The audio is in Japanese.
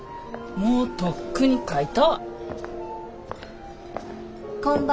もうとっくに書いたわ。